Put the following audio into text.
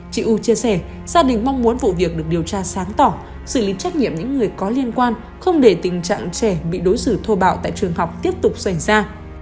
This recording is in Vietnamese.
chị u chia sẻ gia đình mong muốn vụ việc được điều tra sáng tỏ xử lý trách nhiệm những người có liên quan không để tình trạng trẻ bị đối xử thô bạo tại trường học tiếp tục xảy ra